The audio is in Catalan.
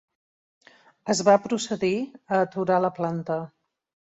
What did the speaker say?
Es va procedir a aturar la planta.